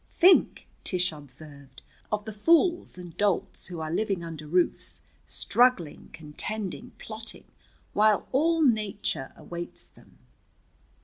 "Think," Tish observed, "of the fools and dolts who are living under roofs, struggling, contending, plotting, while all Nature awaits them."